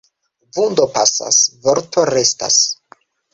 Vundo pasas, vorto restas.